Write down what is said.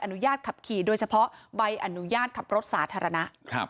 อนุญาตขับขี่โดยเฉพาะใบอนุญาตขับรถสาธารณะ